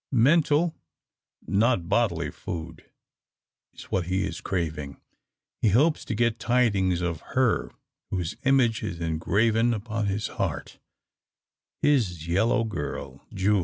Mental, not bodily food, is what he is craving. He hopes to get tidings of her, whose image is engraven upon his heart his yellow girl, Jule.